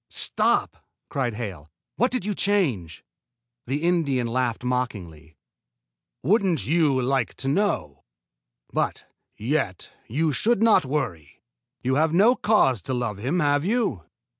"Stop!" cried Hale. "What did you change?" The Indian laughed mockingly. "Wouldn't you like to know? But, yet, you should not worry. You have no cause to love him, have you?"